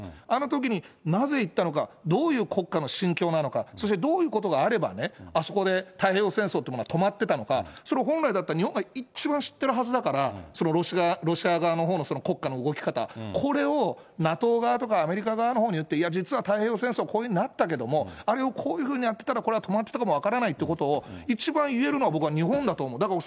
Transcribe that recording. あのときになぜ行ったのか、どういう国家の心境なのか、そしてどういうことがあればあそこで太平洋戦争っていうものは止まってたのか、それを本来だったら、日本が一番知ってるはずだから、ロシア側のほうの国家の動き方、これをＮＡＴＯ側とか、アメリカ側のほうにいって、いや、実は太平洋戦争、こういうふうになったけども、あれをこういうふうにやってたらこれは止まってたかも分からないというのは、一番言えるの、僕は日本だと思う。